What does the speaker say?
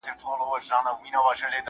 بې وریځو چي را اوري له اسمانه داسي غواړم,